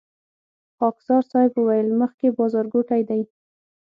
خاکسار صیب وويل مخکې بازارګوټی دی.